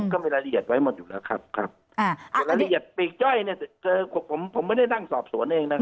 ก็มีรายละเอียดไว้หมดอยู่แล้วครับรายละเอียดเปลี่ยนจ้อยเนี่ยผมไม่ได้นั่งสอบสวนเองนะครับ